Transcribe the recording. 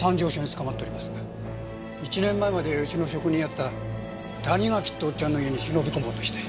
１年前までうちの職人やってた谷垣っておっちゃんの家に忍び込もうとして。